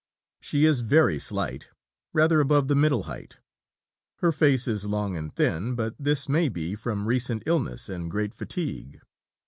She is very slight, rather above the middle height; her face is long and thin, but this may be from recent illness and great fatigue.